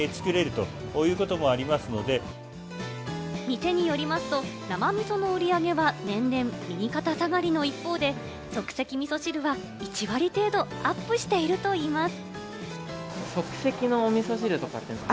店によりますと、生みその売り上げは年々右肩下がりの一方で、即席みそ汁は１割程度アップしているといいます。